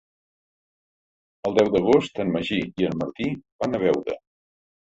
El deu d'agost en Magí i en Martí van a Beuda.